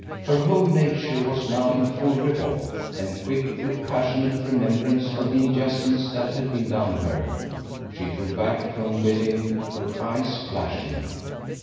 Her whole nature was now in full revolt, and quick with passionate remembrance of the injustice that had been done her, she drew back from him, her eyes flashing.